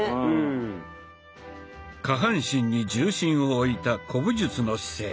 下半身に重心を置いた古武術の姿勢。